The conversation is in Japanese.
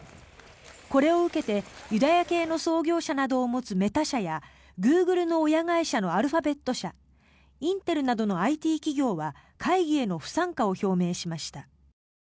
これを受けてユダヤ系の創業者などを持つメタ社やグーグルの親会社のアルファベット社インテルなどのＩＴ企業は会議への不参加を表明しました。